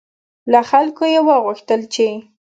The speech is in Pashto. له خلکو یې وغوښتل چې